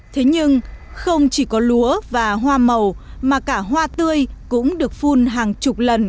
thế nhưng không chỉ có lúa và hoa màu mà cả hoa tươi cũng được phun hàng chục lần